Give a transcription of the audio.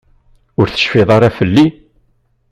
Ur tecfiḍ ara fell-i?